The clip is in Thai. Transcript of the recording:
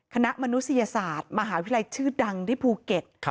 มนุษยศาสตร์มหาวิทยาลัยชื่อดังที่ภูเก็ต